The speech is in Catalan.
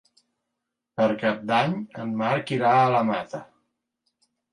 Per Cap d'Any en Marc irà a la Mata.